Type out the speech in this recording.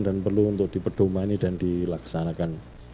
dan perlu untuk diperdomani dan dilaksanakan